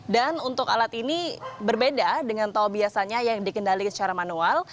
dan untuk alat ini berbeda dengan toa biasanya yang dikendalikan secara manual